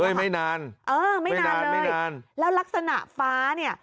เฮ้ยไม่นานไม่นานแล้วลักษณะฟ้าเนี่ย